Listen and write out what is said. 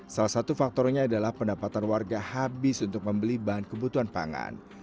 salah satu faktornya adalah pendapatan warga habis untuk membeli bahan kebutuhan pangan